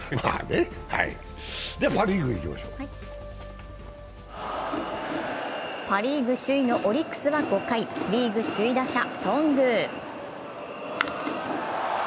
ではパ・リーグいきましょうパ・リーグ首位のオリックスは５回、リーグ首位打者・頓宮。